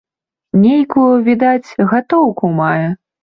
Нейкую, відаць, гатоўку мае.